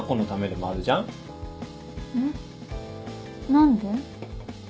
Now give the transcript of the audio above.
何で？